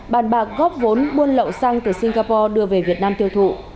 bàn bạc góp vốn buôn lậu xăng từ singapore đưa về việt nam tiêu thụ